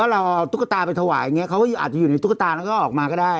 แล้วพี่หนุ่มบอกไม่